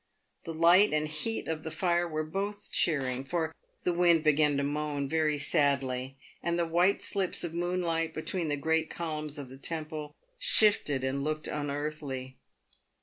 The light and heat of the fire were both cheering, for the wind began to moan very sadly, and the white slips of moonlight between the great columns of the temple shifted and looked un earthly.